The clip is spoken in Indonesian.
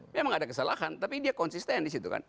memang ada kesalahan tapi dia konsisten disitu kan